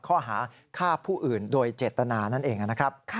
ข้อหาฆ่าผู้อื่นโดยเจตนานั่นเองนะครับ